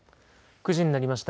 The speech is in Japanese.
９時になりました。